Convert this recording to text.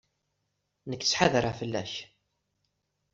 Nekk ttḥadareɣ fell-ak.